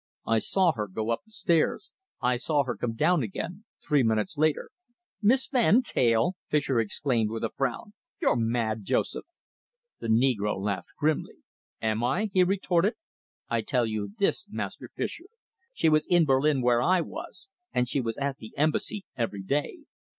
I saw her go up the stairs. I saw her come down again, three minutes later." "Miss Van Teyl?" Fischer exclaimed, with a frown. "You're mad, Joseph!" The negro laughed grimly. "Am I!" he retorted. "I tell you this, Master Fischer. She was in Berlin where I was, and she was at the Embassy every day.